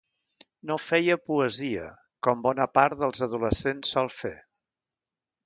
No feia poesia, com bona part dels adolescents sol fer...